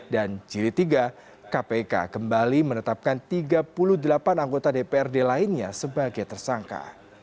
dan jilid tiga kpk kembali menetapkan tiga puluh delapan anggota dprd lainnya sebagai tersangka